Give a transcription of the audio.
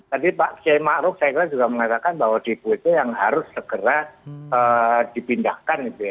tadi pak c ma'ruf saya juga mengatakan bahwa depo itu yang harus segera dipindahkan gitu ya